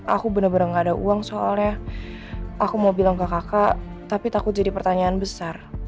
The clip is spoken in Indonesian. aku benar benar nggak ada uang soalnya aku mau bilang ke kakak tapi takut jadi pertanyaan besar